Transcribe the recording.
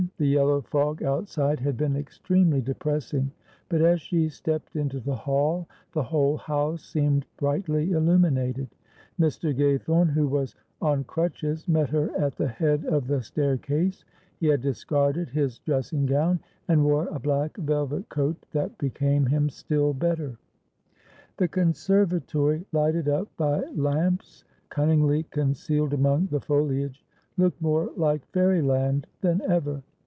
The yellow fog outside had been extremely depressing, but as she stepped into the hall, the whole house seemed brightly illuminated. Mr. Gaythorne, who was on crutches, met her at the head of the staircase. He had discarded his dressing gown, and wore a black velvet coat that became him still better. The conservatory, lighted up by lamps cunningly concealed among the foliage, looked more like fairyland than ever.